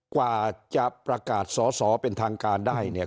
กว่าจะประกาศสอสอเป็นทางการได้เนี่ย